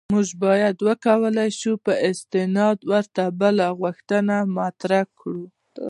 موږ باید وکولای شو په استناد ورته بله غوښتنه مطرح کړو.